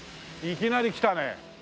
いきなり来たね！